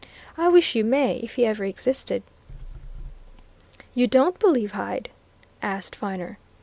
I wish you may if he ever existed!" "You don't believe Hyde?" asked Viner.